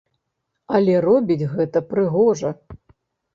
Але робіць гэта прыгожа.